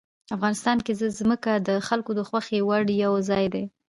افغانستان کې ځمکه د خلکو د خوښې وړ یو ځای دی.